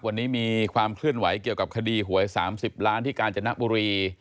วันนี้มีความเคลื่อนไหวเกี่ยวกับคดีหวย๓๐ล้านที่กาญจนบุรี